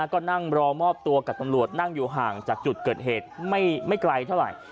ก็นั่งรอมอบตัวกับตำรวจนั่งอยู่ห่างจากจุดเกิดเหตุไม่ไกลเท่าไหร่